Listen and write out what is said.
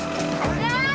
tidak tidak tidak